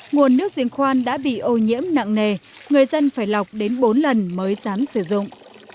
nguồn nước diễn khoan đã bị ô nhiễm nặng nề người dân phải lọc đến bốn lần mới dám sử dụng